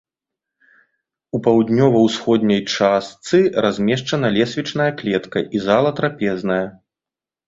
У паўднёва-ўсходняй частцы размешчана лесвічная клетка і зала-трапезная.